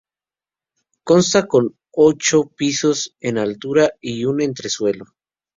Consta con ocho pisos en altura y un entresuelo.